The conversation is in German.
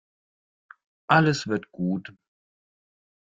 Alles wird gut.